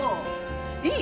いい？